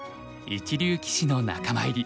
一流棋士の仲間入り。